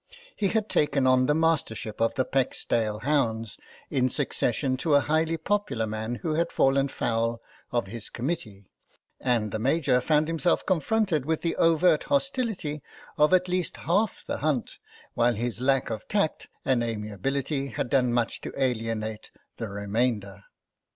He had taken on the Mastership of the Pexdale Hounds in succession to a highly popular man who had fallen foul of his com mittee, and the Major found himself confronted with the overt hostility of at least half the hunt, while his lack of tact and amiability had done much to alienate the remainder.